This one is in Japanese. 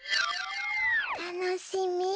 たのしみ。ね！